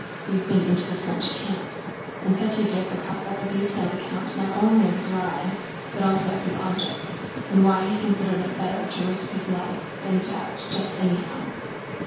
We've been into the French camp." And Pétya gave the Cossack a detailed account not only of his ride but also of his object, and why he considered it better to risk his life than to act "just anyhow."